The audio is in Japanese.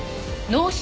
脳死？